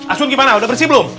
asun gimana udah bersih belum